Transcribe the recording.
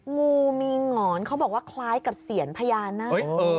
งูมีหงอนเขาบอกว่าคล้ายกับเสียญพญานาค